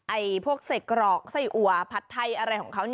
พวกไส้กรอกไส้อัวผัดไทยอะไรของเขา